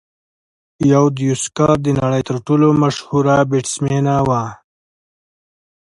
یوديوسکر د نړۍ تر ټولو مشهوره بیټسمېنه وه.